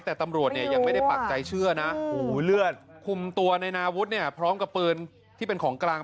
แต่ตำรวจเนี่ยยังไม่ได้ปักใจเชื่อนะเลือดคุมตัวในนาวุฒิเนี่ยพร้อมกับปืนที่เป็นของกลาง